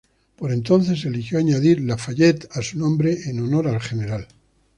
Por entonces, eligió añadir "Lafayette" a su nombre en honor al general.